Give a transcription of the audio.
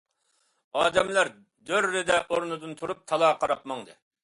ئادەملەر دۈررىدە ئورنىدىن تۇرۇپ تالاغا قاراپ ماڭدى.